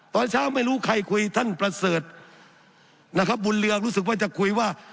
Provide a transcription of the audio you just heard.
ตอนเช้าไม่รู้ใครคุยท่านประเสริฐนะครับบุญเรือรู้สึกว่าจะคุยว่า